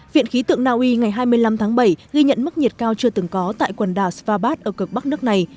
viện khí tượng naui ngày hai mươi năm tháng bảy ghi nhận mức nhiệt cao chưa từng có tại quần đảo svabat ở cực bắc nước này